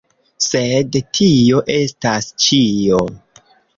Sed tio estas ĉio.